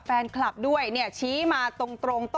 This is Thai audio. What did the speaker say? แฟนคลับด้วยเชี้ยมาตรง